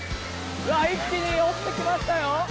一気に落ちてきましたよ！